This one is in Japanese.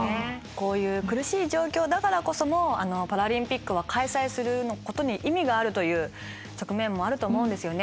こういう苦しい状況だからこそパラリンピックは開催することに意味があるという側面もあると思うんですよね。